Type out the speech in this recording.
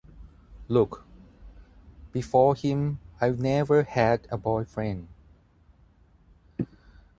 Look, before him I’d never had a boyfriend.